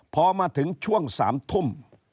พอมาถึงช่วง๓ทุ่ม